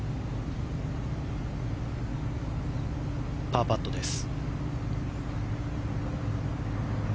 パーパットです。